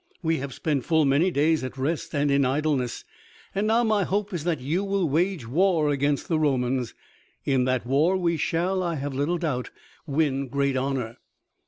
We have spent full many days at rest and in idleness, and now my hope is that you will wage war against the Romans. In that war we shall, I have little doubt, win great honor."